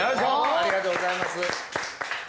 ありがとうございます。